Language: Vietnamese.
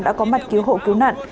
đã có mặt cứu hộ cứu nạn